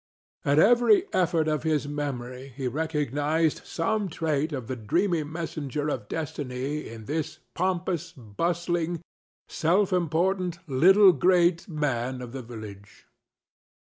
At every effort of his memory he recognized some trait of the dreamy messenger of destiny in this pompous, bustling, self important, little great man of the village.